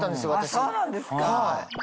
そうなんですか？